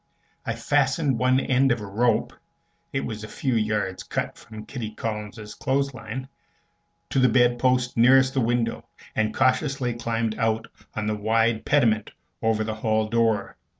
I fastened one end of a rope (it was a few yards cut from Kitty Collins's clothes line) to the bedpost nearest the window, and cautiously climbed out on the wide pediment over the hall door.